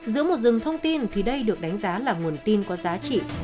giữa một rừng thông tin thì đây được đánh giá là nguồn tin có giá trị